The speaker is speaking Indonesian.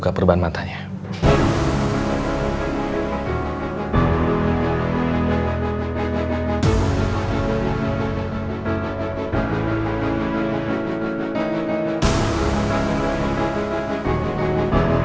oh anak mama